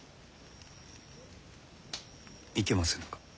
いけませぬか？